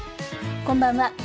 こんばんは。